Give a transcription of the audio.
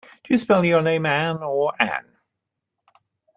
Do you spell your name Ann or Anne?